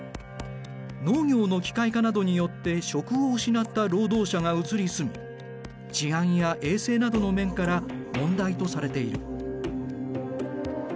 農業の機械化などによって職を失った労働者が移り住み治安や衛生などの面から問題とされている。